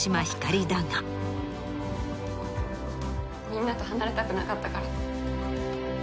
みんなと離れたくなかったから。